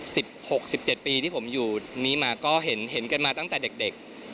สิบหกสิบเจ็ดปีที่ผมอยู่นี้มาก็เห็นกันมาตั้งแต่เด็ก